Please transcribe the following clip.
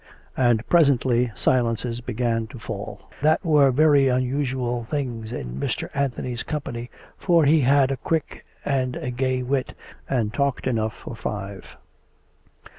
And presently silences began to fall, that were very un usual things in Mr. Anthony's company, for he had a quick and a gay wit, and talked enough for five.